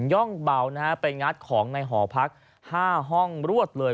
่องเบานะฮะไปงัดของในหอพัก๕ห้องรวดเลย